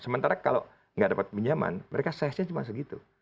sementara kalau nggak dapat pinjaman mereka size nya cuma segitu